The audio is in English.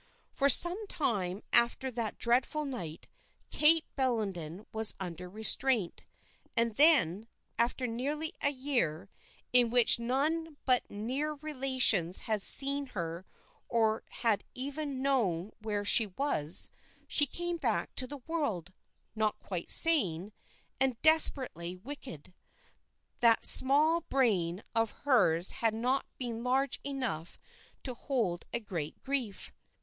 For some time after that dreadful night Kate Bellenden was under restraint; and then, after nearly a year, in which none but near relations had seen her or had even known where she was, she came back to the world; not quite sane, and desperately wicked. That small brain of hers had not been large enough to hold a great grief.